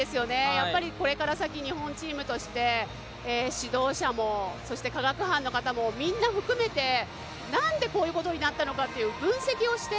やっぱりこれから先日本チームとして指導者もそして科学班の方も、みんな含めてなんでこういうことになったのかという分析をして、